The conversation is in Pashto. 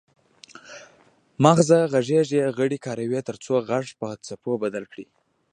مغزه غږیز غړي کاروي ترڅو غږ پر څپو بدل کړي